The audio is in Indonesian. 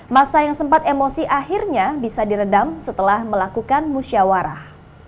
masa yang sempat emosi akhirnya bisa diredam setelah melakukan musyawarah